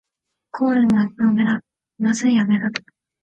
コーラ味の飴だった。不味い飴だった。